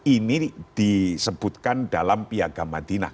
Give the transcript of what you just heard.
ini disebutkan dalam piagam madinah